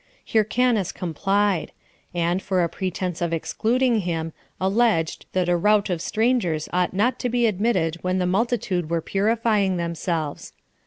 Hyrcanus complied; and, for a pretense of excluding him, alleged, that a rout of strangers ought not to be admitted when the multitude were purifying themselves.